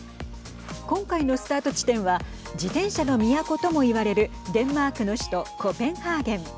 今回のスタート地点は自転車の都ともいわれるデンマークの首都コペンハーゲン。